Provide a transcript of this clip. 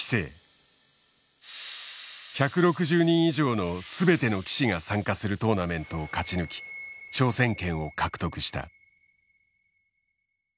１６０人以上の全ての棋士が参加するトーナメントを勝ち抜き挑戦権を獲得した。